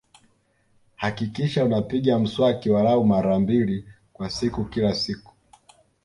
Hakikisha unapiga mswaki walau mara mbili kwa siku kila siku